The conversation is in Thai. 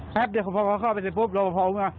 แป๊บเนี่ยพอเขาเข้าไปเลยปุ๊บเราพอว่า